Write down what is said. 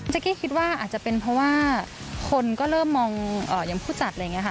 กี้คิดว่าอาจจะเป็นเพราะว่าคนก็เริ่มมองอย่างผู้จัดอะไรอย่างนี้ค่ะ